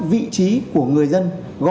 vị trí của người dân